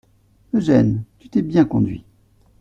Eugène, tu t'es bien conduit.